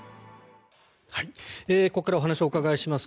ここからお話をお伺いします。